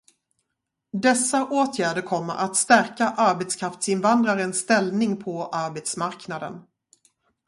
Dessa åtgärder kommer att stärka arbetskraftsinvandrarens ställning på arbetsmarknaden.